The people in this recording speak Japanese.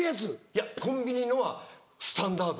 いやコンビニのはスタンダードなんです。